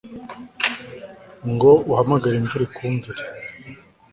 ngo uhamagare imvura ikumvire